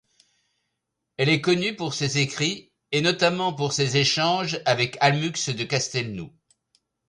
Elle est connue pour ses écrits et notamment ses échanges avec Almucs de Castelnou.